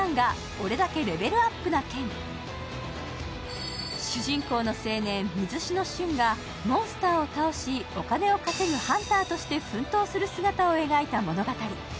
「俺だけレベルアップな件」主人公の青年・水篠旬がモンスターを倒しお金を稼ぐハンターとして奮闘する姿を描いた物語。